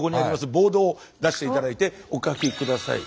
ボードを出して頂いてお書き下さい。